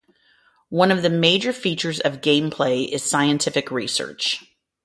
One of the major features of gameplay is scientific research.